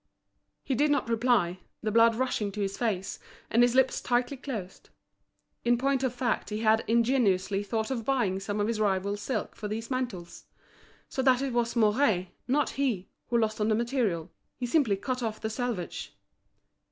He did not reply, the blood rushing to his face, and his lips tightly closed. In point of fact he had ingeniously thought of buying some of his rival's silk for these mantles. So that it was Mouret, not he, who lost on the material. He simply cut off the selvage.